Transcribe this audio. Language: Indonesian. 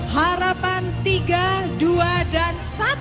harapan tiga dua dan satu